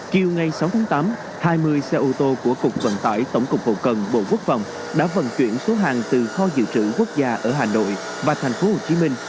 chiều ngày sáu tháng tám hai mươi xe ô tô của cục vận tải tổng cục hậu cần bộ quốc phòng đã vận chuyển số hàng từ kho dự trữ quốc gia ở hà nội và thành phố hồ chí minh